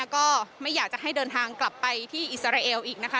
ก็ไม่อยากจะให้เดินทางกลับไปที่อิสราเอลอีกนะคะ